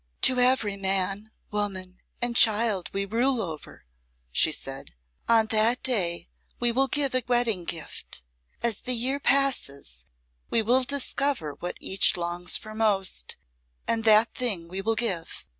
"To every man, woman, and child we rule over," she said, "on that day we will give a wedding gift. As the year passes we will discover what each longs for most, and that thing we will give.